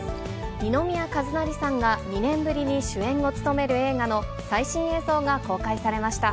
二宮和也さんが２年ぶりに主演を務める映画の最新映像が公開されました。